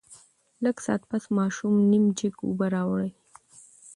لږ ساعت پس ماشوم نيم جګ اوبۀ راوړې